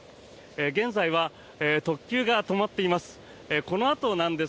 現在は特急が止まっています。